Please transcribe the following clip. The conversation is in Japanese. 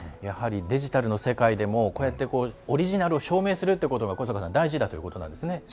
やはりデジタルの世界でもこうやって、オリジナルを証明するというのが大事だってことですね。